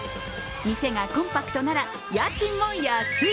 店がコンパクトなら家賃も安い。